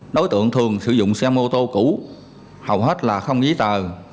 đối tượng thường sử dụng xe mô tô cũ hầu hết là không giấy tờ